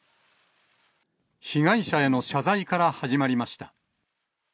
被害者への謝罪から始まりました。